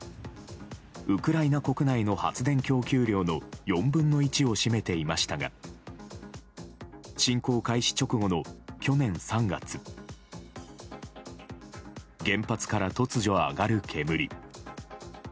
ウクライナ国内の発電供給量の４分の１を占めていましたが侵攻開始直後の去年３月原発から突如上がる煙。